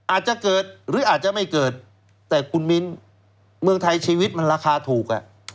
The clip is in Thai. อาจจะเกิดหรืออาจจะไม่เกิดแต่คุณมิ้นเมืองไทยชีวิตมันราคาถูก